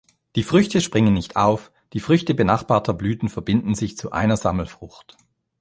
Die Früchte springen nicht auf, die Früchte benachbarter Blüten verbinden sich zu einer Sammelfrucht.